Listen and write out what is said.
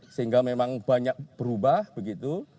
sehingga memang banyak berubah begitu